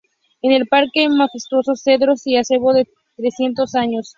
En el parque hay majestuosos cedros y acebo de trescientos años.